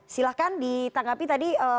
silahkan ditanggapi tadi